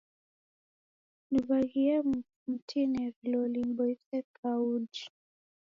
Niw'aghie mufu mtineri loli diboise kauji.